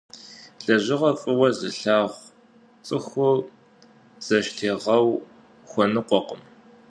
Лэжьыгъэр фӀыуэ зылъагъу цӀыхур зэштегъэу хуэныкъуэкъым.